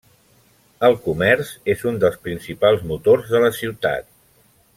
El comerç és un dels principals motors de la ciutat.